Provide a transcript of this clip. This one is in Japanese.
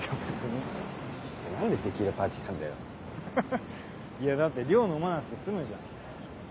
ハハッいやだって量飲まなくて済むじゃん。